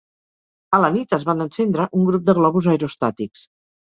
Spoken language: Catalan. A la nit es van encendre un grup de globus aerostàtics.